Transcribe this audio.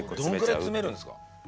どんくらい詰めるんですか？